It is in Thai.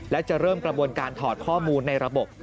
และจะเริ่มกระบวนการถอดข้อมูลในระบบ